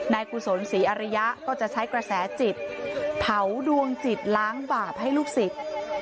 กุศลศรีอริยะก็จะใช้กระแสจิตเผาดวงจิตล้างบาปให้ลูกศิษย์